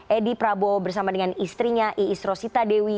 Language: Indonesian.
edi prabowo bersama dengan istrinya iisro sita dewi